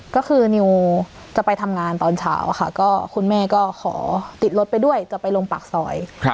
ก็คือนิวจะไปทำงานตอนเช้าค่ะก็คุณแม่ก็ขอติดรถไปด้วยจะไปลงปากซอย